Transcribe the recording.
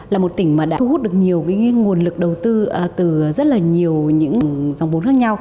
là một tỉnh mà đã thu hút được nhiều nguồn lực đầu tư từ rất là nhiều những dòng vốn khác nhau